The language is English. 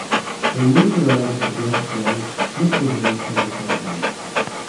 When news arrived of the death of Young, Smith was released and returned home.